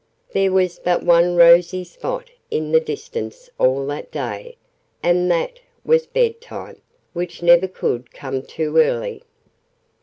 There was but one rosy spot, in the distance, all that day: and that was 'bed time,' which never could come too early!"